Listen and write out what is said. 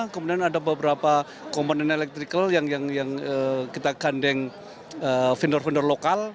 kemudian ada beberapa komponen elektrikal yang kita gandeng vendor vendor lokal